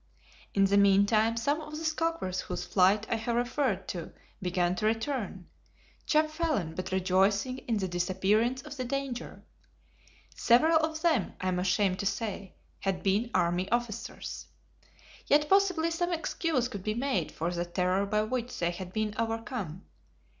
In the meantime some of the skulkers whose flight I have referred to began to return, chapfallen, but rejoicing in the disappearance of the danger. Several of them, I am ashamed to say, had been army officers. Yet possibly some excuse could be made for the terror by which they had been overcome.